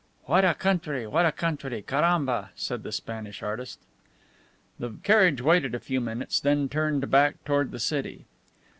"What a country! What a country! Caramba!" said the Spanish artist. The carriage waited a few minutes, then turned back toward the city.